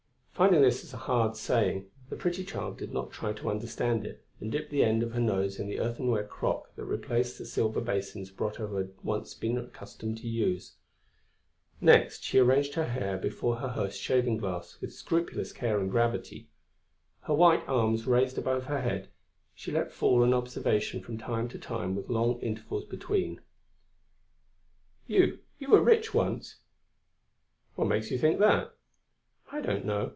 Finding this a hard saying, the pretty child did not try to understand it and dipped the end of her nose in the earthenware crock that replaced the silver basins Brotteaux had once been accustomed to use. Next, she arranged her hair before her host's shaving glass with scrupulous care and gravity. Her white arms raised above her head, she let fall an observation from time to time with long intervals between: "You, you were rich once." "What makes you think that?" "I don't know.